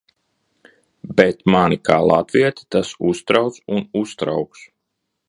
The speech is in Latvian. Bet mani kā latvieti tas uztrauc un uztrauks!